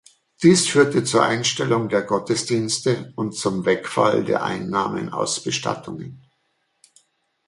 Dies führte zur Einstellung der Gottesdienste und zum Wegfall der Einnahmen aus Bestattungen.